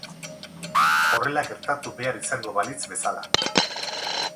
Horrela gertatu behar izango balitz bezala.